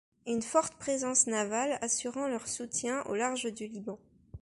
Une forte présence navale assurant leur soutien au large du Liban.